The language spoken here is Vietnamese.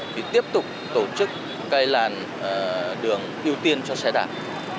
để tiếp tục tổ chức cây làn đường ưu tiên cho xe đạp